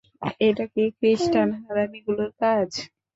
এটা কি খ্রিষ্টান হারামিগুলোর কাজ?